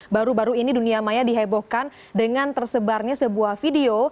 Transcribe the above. baru baru ini dunia maya dihebohkan dengan tersebarnya sebuah video